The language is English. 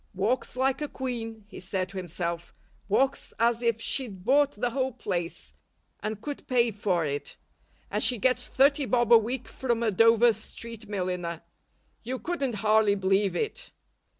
"Walks like a queen," he said to himself. "Walks as if she'd bought the whole place, and could pay for it and she gets thirty bob a week from a Dover Street milliner. You couldn't hardly believe it."